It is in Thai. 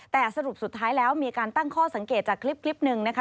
แต่สรุปสุดท้ายแล้วมีการตั้งข้อสังเกตจากคลิปหนึ่งนะคะ